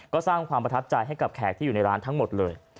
ก็สร้างความประทับใจให้กับแขกที่อยู่ในร้านทั้งหมดเลย